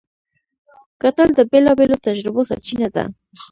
کتل د بېلابېلو تجربو سرچینه ده